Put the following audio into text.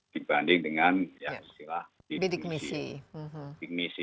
dibanding dengan yang istilah bidik misi